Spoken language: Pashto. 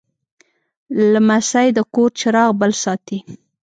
لمسی د کور چراغ بل ساتي.